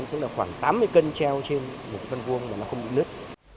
tức là khoảng tám mươi cân treo trên một cái phân vuông mà nó không bị nứt